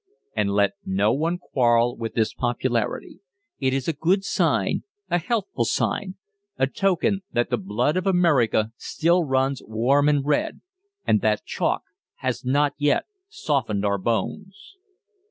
And let no one quarrel with this popularity. It is a good sign, a healthful sign, a token that the blood of America still runs warm and red, and that chalk has not yet softened our bones.